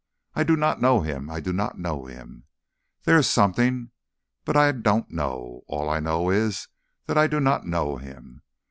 I do not know him. I do not know him. There is something.... But I don't know. All I know is that I do not know him."